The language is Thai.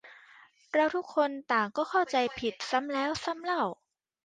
เราทุกคนต่างก็เข้าใจผิดซ้ำแล้วซ้ำเล่า